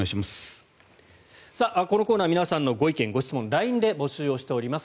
このコーナー皆さんのご意見・ご質問をＬＩＮＥで募集をしております。